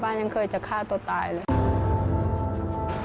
ท้อป่านยังเคยจะฆ่าตัวตายเลย